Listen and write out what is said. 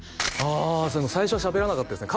あ最初はしゃべらなかったですね